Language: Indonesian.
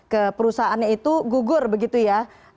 ke perusahaannya itu gugur begitu ya